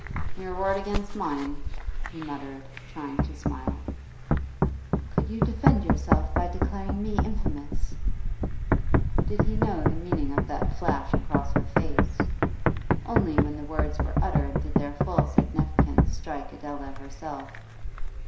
'Your word against mine,' he muttered, trying to smile. 'You could defend yourself by declaring me infamous?' Did he know the meaning of that flash across her face? Only when the words were uttered did their full significance strike Adela herself.